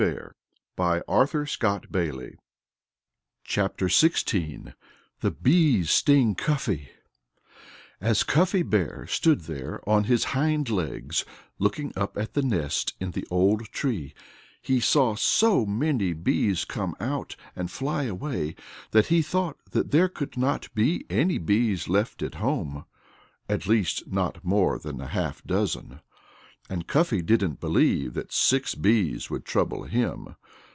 He was going to have all the honey he could eat. XVI THE BEES STING CUFFY As Cuffy Bear stood there on his hind legs looking up at the nest in the old tree he saw so many bees come out and fly away that he thought that there could not be any bees left at home at least, not more than a half dozen. And Cuffy didn't believe that six bees would trouble him.